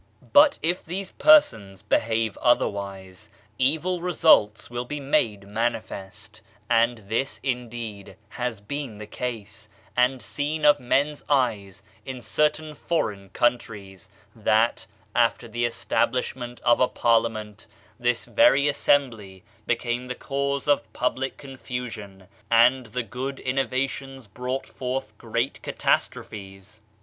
But if these persons behave otherwise, evil re sults will be made manifest; and this, indeed, has been the case, and seen of men's eyes in certain foreign countries, that, after the establishment of a Parliament, this very Assembly became the cause of public confusion, and the good innovations brought forth great catastrophes.